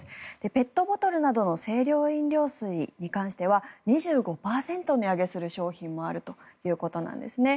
ペットボトルなどの清涼飲料水に関しては２５％値上げする商品もあるということです。